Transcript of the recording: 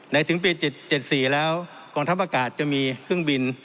ในถึงปีเจ็ดเจ็ดสี่แล้วกองทัพประกาศจะมีเครื่องบิน